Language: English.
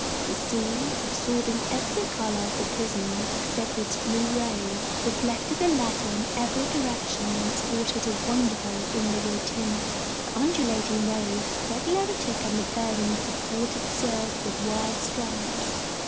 The sea, absorbing every color of the prism except its blue rays, reflected the latter in every direction and sported a wonderful indigo tint. The undulating waves regularly took on the appearance of watered silk with wide stripes.